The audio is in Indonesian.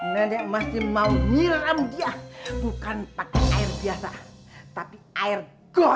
nenek masih mau nyiram dia bukan pakai air biasa tapi air keluar